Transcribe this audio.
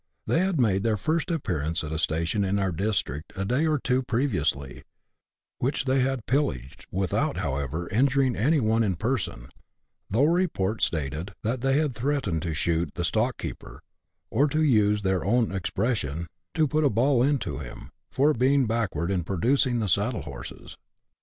They had made their first appearance at a station in our district a day or two previously, which they had pillaged, without, however, injuring any one in person, though report stated that they had threatened to shoot the stock keeper, or, to use their own expression, to *' put a ball into him," for being backward in producing the saddle horses.